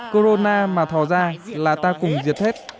corona mà thò ra là ta cùng diệt hết